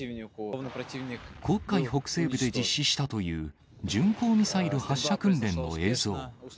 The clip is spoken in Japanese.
黒海北西部で実施したという、巡航ミサイル発射訓練の映像。